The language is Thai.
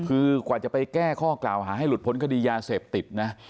คือกว่าจะไปแก้ข้อกล่าวหาให้หลุดพ้นคดียาเสพติดนะ